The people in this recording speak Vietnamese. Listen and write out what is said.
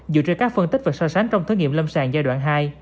dựa trên các phân tích và so sánh trong thử nghiệm lâm sàng giai đoạn hai